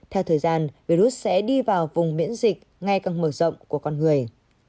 theo thời gian virus sẽ đi vào vùng miễn dịch ngay càng mở rộng của con người